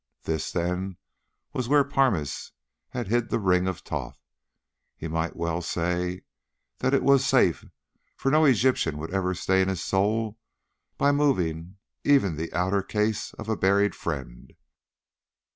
This, then was where Parmes had hid the ring of Thoth. He might well say that it was safe, for no Egyptian would ever stain his soul by moving even the outer case of a buried friend.